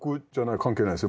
関係ないですよ